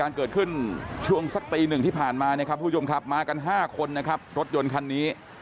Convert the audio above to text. การเกิดขึ้นช่วงสักปีหนึ่งที่ผ่านมามากัน๕คนรถยนต์คันนี้